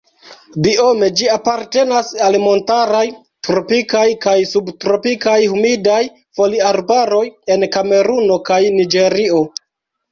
Biome ĝi apartenas al montaraj tropikaj kaj subtropikaj humidaj foliarbaroj en Kameruno kaj Niĝerio.